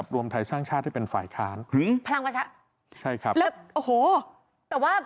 พลังประชา